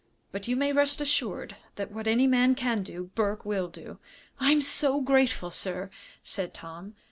But you may rest assured that what any man can do, Burke will do." "I'm so grateful, sir!" said Tom.